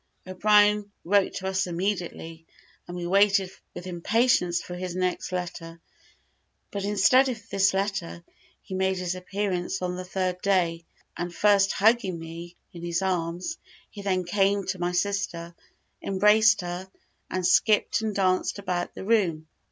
O'Brien wrote to us immediately, and we waited with impatience for his next letter; but instead of this letter, he made his appearance on the third day, and first hugging me in his arms, he then came to my sister, embraced her, and skipped and danced about the room.